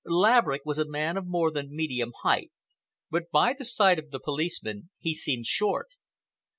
Laverick was a man of more than medium height, but by the side of the policeman he seemed short.